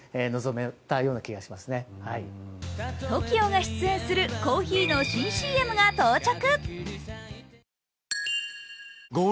ＴＯＫＩＯが出演するコーヒーの新ＣＭが到着。